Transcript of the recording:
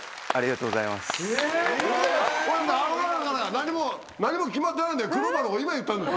何も決まってないんだよ